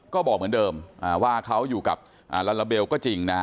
ก็บอกเหมือนเดิมว่าเขาอยู่กับลาลาเบลก็จริงนะ